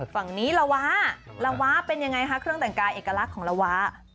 ฝั่งนี้ละวะละวะเป็นยังไงคะเครื่องแต่งกายเอกลักษณ์ของละวะ